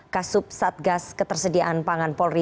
kasub satgas ketersediaan pangan polri